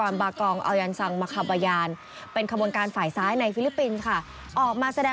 นายเรนาโต